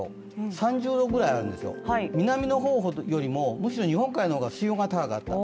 ３０度ぐらいあるんですよ、南の方よりもむしろ日本海の方が水温が高くなってる。